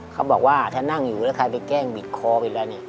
เขาบอกว่าถ้านั่งอยู่แล้วใครไปแกล้งบิดคอไปแล้วเนี่ย